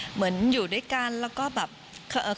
อยู่ด้วยกันแล้วก็แบบ